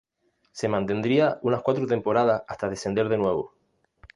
Se mantendría unas cuatro temporada hasta descender de nuevo.